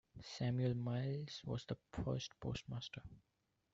Samuel Miles was the first postmaster.